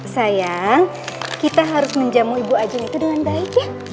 sayang kita harus menjamu ibu ajeng itu dengan baik ya